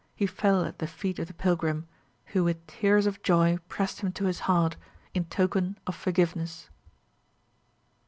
He fell at the feet of the pilgrim, who with tears of joy pressed him to his heart, in token of forgiveness.